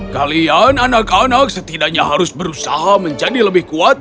kalian anak anak setidaknya harus berusaha menjadi lebih kuat